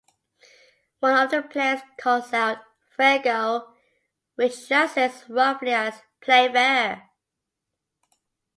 One of the players calls out "fair go", which translates roughly as "play fair".